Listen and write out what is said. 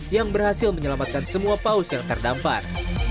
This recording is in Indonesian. yang berhasil menyelamatkan semua paus yang terdampar